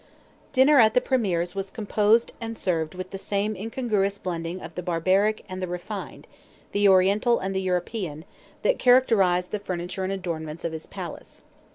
Dinner at the Premier's was composed and served with the same incongruous blending of the barbaric and the refined, the Oriental and the European, that characterized the furniture and adornments of his palace.